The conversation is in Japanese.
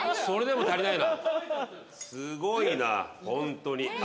それでも足りないなすごいなホントに。